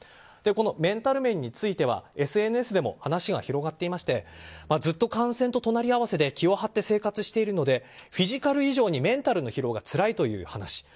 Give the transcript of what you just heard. このメンタル面についてはＳＮＳでも話が広がっていましてずっと感染と隣り合わせで気を張って生活しているのでフィジカル以上にメンタルの疲労がつらいという話。